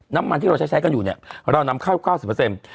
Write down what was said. น้ำมันที่เราใช้ใช้กันอยู่เนี้ยเรานำเข้าเก้าสิบเปอร์เซ็นต์